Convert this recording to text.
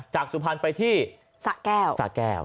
จากสุพรรณไปที่สะแก้ว